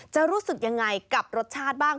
รู้สึกยังไงกับรสชาติบ้าง